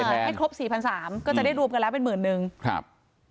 ให้ครบสี่พันสามก็จะได้รวมกันแล้วเป็นหมื่นนึงครับ